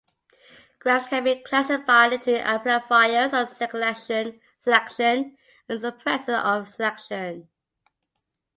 Graphs can be classified into amplifiers of selection and suppressors of selection.